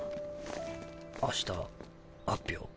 明日発表。